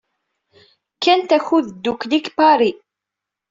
Kkant akud ddukkli deg Paris.